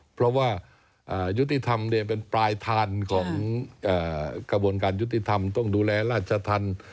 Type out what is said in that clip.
เพราะว่ายุติธรรมเป็นปลายทางของกระบวนการยุติธรรมต้องดูแลราชธรรม